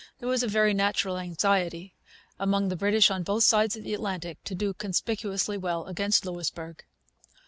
There was a very natural anxiety, among the British on both sides of the Atlantic, to do conspicuously well against Louisbourg.